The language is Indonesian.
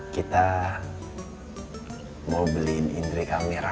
kita mau beliin indrey kamera